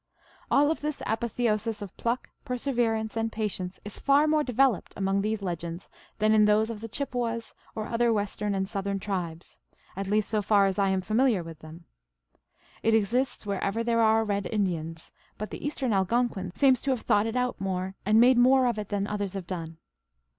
All of this apotheosis of pluck, perseverance, and patience is far more developed among these legends than in those of the Chippewas or other western and south ern tribes, at least so far as I am familiar with TALES OF MAGIC. 351 them. It exists wherever there are red Indians, but the Eastern Algonquin seems to have thought it out more and made more of it than others have done.